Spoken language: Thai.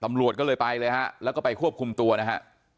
ตำรวจก็เลยไปเลยฮะแล้วก็ไปควบคุมตัวนะฮะ